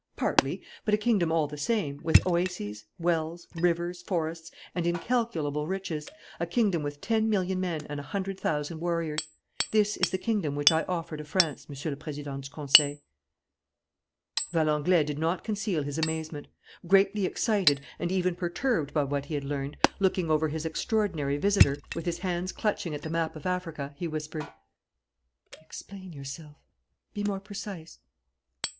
Partly, but a kingdom all the same, with oases, wells, rivers, forests, and incalculable riches, a kingdom with ten million men and a hundred thousand warriors. This is the kingdom which I offer to France, Monsieur le Président du Conseil." Valenglay did not conceal his amazement. Greatly excited and even perturbed by what he had learned, looking over his extraordinary visitor, with his hands clutching at the map of Africa, he whispered: "Explain yourself; be more precise."